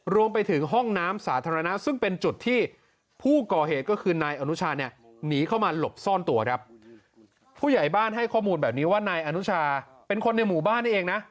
รวมไปถึงห้องน้ำสาธารณะซึ่งเป็นจุดที่ผู้ก่อเหตุก็คือนายอนุชาเนี่ยหนีเข้ามาหลบซ่อนตัวครับผู้ใหญ่บ้านให้ข้อมูลแบบนี้ว่านายอนุชาเป็นคนในหมู่บ้านนี่เองนะ